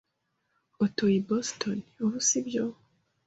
Utuye i Boston ubu, si byo?